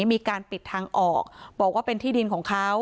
มีการปิดทางออกบอกว่าเป็นที่ดินของเขา